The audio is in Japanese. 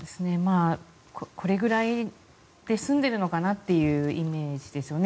これぐらいで済んでるのかなというイメージですよね。